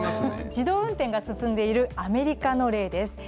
自動運転が進んでいるアメリカの例です。